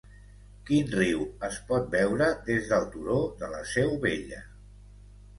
Quin riu es pot veure des del turó de La Seu Vella?